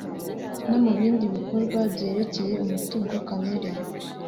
No mu bindi bikorwa byerekeye umutungo kamere